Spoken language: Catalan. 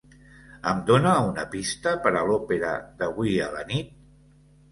Em dona una pista per a l'òpera d'avui a la nit?